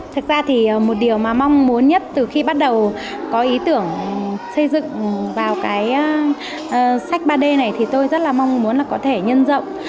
thực ra thì một điều mà mong muốn nhất từ khi bắt đầu có ý tưởng xây dựng vào cái sách ba d này thì tôi rất là mong muốn là có thể nhân rộng